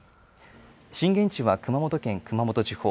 震源地は熊本県熊本地方。